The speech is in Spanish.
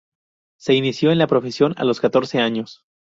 Se inició en la profesión a los catorce años.